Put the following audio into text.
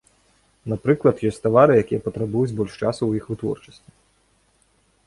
Напрыклад, ёсць тавары, якія патрабуюць больш часу ў іх вытворчасці.